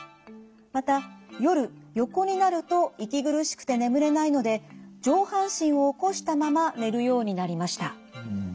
また夜横になると息苦しくて眠れないので上半身を起こしたまま寝るようになりました。